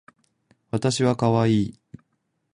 わたしはかわいい